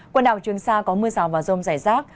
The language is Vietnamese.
quần đảo trường sa có mưa rào và rông rải rác